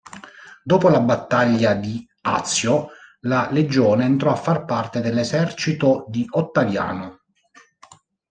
Dopo la battaglia di Azio, la legione entrò a far parte dell'esercito di Ottaviano.